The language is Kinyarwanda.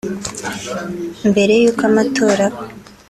Mbere y’uko amatora aba